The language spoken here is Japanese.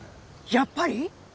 やっぱり？